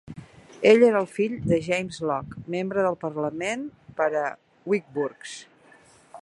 Ell era el fill de James Loch, membre del parlament per a Wick Burghs.